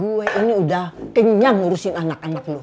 gue ini udah kenyang ngurusin anak anak lu